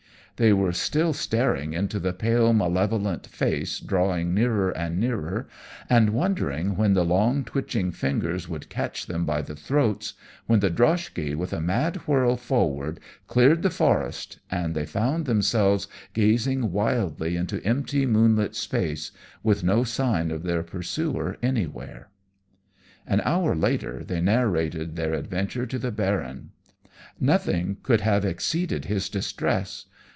They were still staring into the pale malevolent face drawing nearer and nearer, and wondering when the long twitching fingers would catch them by the throats, when the droshky with a mad swirl forward cleared the forest, and they found themselves gazing wildly into empty moonlit space, with no sign of their pursuer anywhere. An hour later they narrated their adventure to the Baron. Nothing could have exceeded his distress.